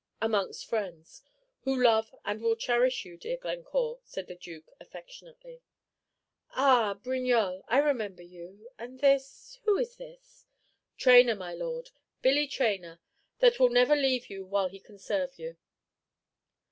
"Amongst friends, who love and will cherish you, dear Glencore," said the Duke, affectionately. "Ah, Brignolles, I remember you. And this, who is this?" "Traynor, my Lord, Billy Traynor, that will never leave you while he can serve you!"